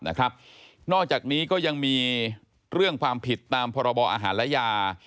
นอกจากนี้ก็ยังมีเรื่องความผิดตามพรบอาหารและยา